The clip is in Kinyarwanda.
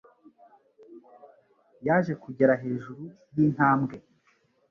yaje kugera hejuru yintambwe.